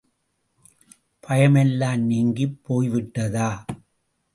பயமெல்லாம் நீங்கிப் போய்விட்டதா?